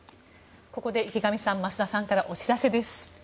池上さん、増田さんからお知らせです。